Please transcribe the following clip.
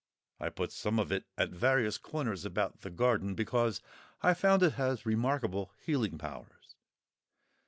I put some of it at various corners about the garden, because I found it has remarkable healing powers.